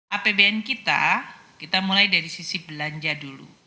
apbn kita kita mulai dari sisi belanja dulu